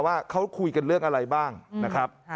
ว่าเขาคุยกันเรื่องอะไรบ้างนะครับ